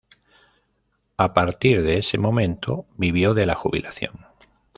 A partir de ese momento vivió de la jubilación.